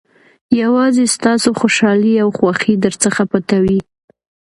یوازې ستاسو خوشالۍ او خوښۍ درڅخه پټوي.